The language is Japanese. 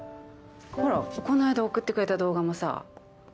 ほらこの間送ってくれた動画もさ。